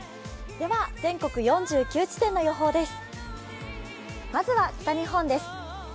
全国４９地点の予報です。